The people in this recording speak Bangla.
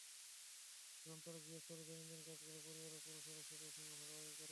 এখন তাঁরা গৃহস্থালির দৈনন্দিন কাজগুলো পরিবারের পুরুষ সদস্যদের সঙ্গে ভাগাভাগি করেন।